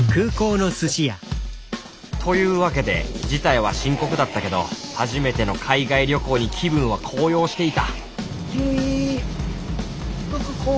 というわけで事態は深刻だったけど初めての海外旅行に気分は高揚していた結福子！